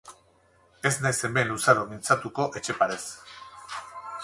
Ez naiz hemen luzaro mintzatuko Etxeparez.